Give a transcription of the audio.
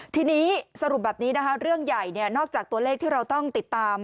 ทีนี้สรุปแบบนี้นะคะเรื่องใหญ่นอกจากตัวเลขที่เราต้องติดตาม